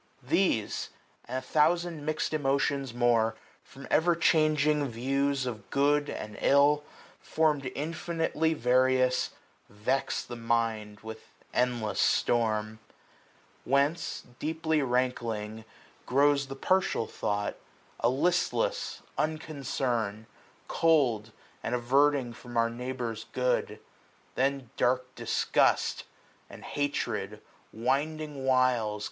295 These, and a thousand mixt emotions more. From ever changing views of good and ill, Form'd infinitely various, vex the mind With endless storm : whence, deeply rankling, grows SPRING. 13 The partial thought, a listless unconcern, 300 Cold, and averting from our neighbour's good ; Then dark disgust, and hatred, winding wiles.